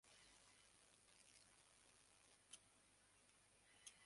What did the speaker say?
আমরা দেখেছি, অনেক সময় বিশ্ববিদ্যালয় এলাকায় গাড়ি প্রবেশ করে।